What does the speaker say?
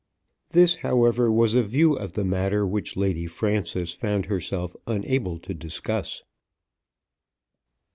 This, however, was a view of the matter which Lady Frances found herself unable to discuss.